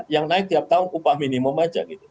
yang naik tiap tahun upah minimum aja gitu